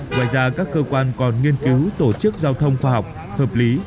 ngoài ra các cơ quan còn nghiên cứu tổ chức giao thông khoa học hợp lý